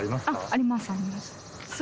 あります、あります。